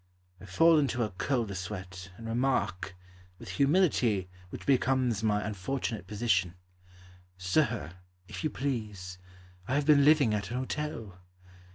I fall into a colder sweat And remark, With a humility Which becomes my unfortunate position, "Sir, if you please, I have been living at an hotel."